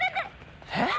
えっ？